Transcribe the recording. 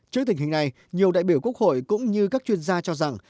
trước tình hình này nhiều đại biểu quốc hội cũng như các chuyên gia cho rằng